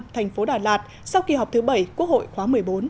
thành phố đà lạt sau kỳ họp thứ bảy quốc hội khóa một mươi bốn